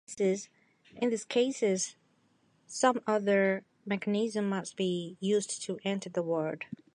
In these cases, some other mechanism must be used to enter the word.